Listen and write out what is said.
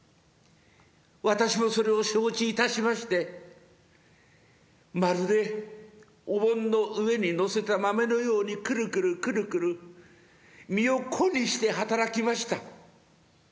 私もそれを承知いたしましてまるでお盆の上に載せた豆のようにくるくるくるくる身を粉にして働きました。